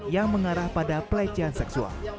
yang mengarah pada pelecehan seksual